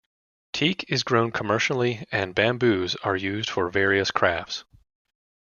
'Teak' is grown commercially and Bamboos are used for various crafts.